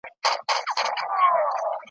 نیمي مړۍ ته تر بازاره یوسي `